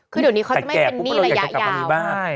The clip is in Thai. คือเดี๋ยวนี้เขาจะไม่เป็นหนี้ระยะยาว